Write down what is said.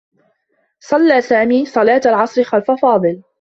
صلّى سامي صلاة العصر خلف فاضل.